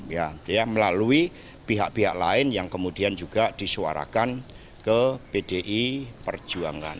ya melalui pihak pihak lain yang kemudian juga disuarakan ke pdi perjuangan